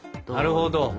なるほど。